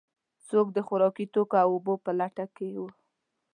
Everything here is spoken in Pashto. څوک د خوراکي توکو او اوبو په لټه کې و.